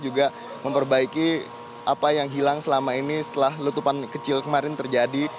juga memperbaiki apa yang hilang selama ini setelah letupan kecil kemarin terjadi